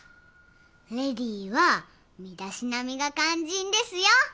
レディーは身だしなみが肝心ですよ。